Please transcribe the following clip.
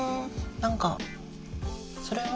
何かそれも。